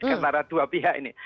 antara dua pihak ini